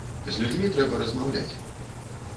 З людзьмі трэба размаўляць.